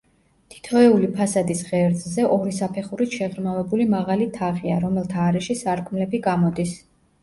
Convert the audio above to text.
თითოეული ფასადის ღერძზე, ორი საფეხურით შეღრმავებული მაღალი თაღია, რომელთა არეში სარკმლები გამოდის.